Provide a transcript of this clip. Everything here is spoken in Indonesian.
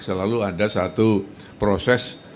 selalu ada satu proses